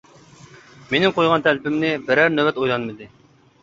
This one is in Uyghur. مېنىڭ قويغان تەلىپىمنى، بىرەر نۆۋەت ئويلانمىدى.